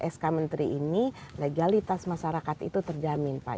sk menteri ini legalitas masyarakat itu terjamin pak